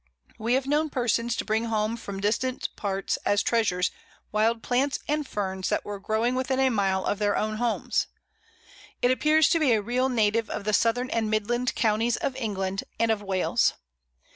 We have known persons to bring home from distant parts as treasures wild plants and ferns that were growing within a mile of their own homes. It appears to be a real native of the southern and midland counties of England, and of Wales.